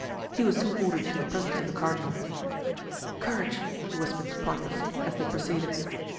He was soon ordered to the presence of the cardinal. "Courage!" he whispered to Porthos, as they proceeded.